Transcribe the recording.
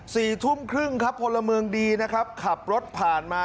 สี่ทุ่มครึ่งคนละเมืองดีขับรถผ่านมา